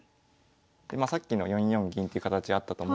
さっきの４四銀っていう形あったと思うんですけど。